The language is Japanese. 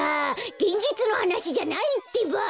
げんじつのはなしじゃないってば！